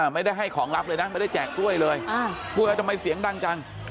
ไม่ได้ให้ของลับเลยนะไม่ได้แจกกล้วยเลยพูดแล้วทำไมเสียงดังจัง